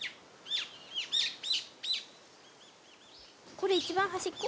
これ一番端っこ？